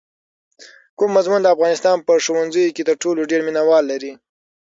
کوم مضمون د افغانستان په ښوونځیو کې تر ټولو ډېر مینه وال لري؟